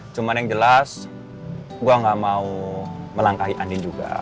cuman yang jelas gue gak mau melangkahi andin juga